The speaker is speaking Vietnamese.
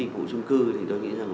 dịch vụ trung cư thì tôi nghĩ rằng